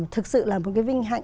thực sự là một cái vinh hạnh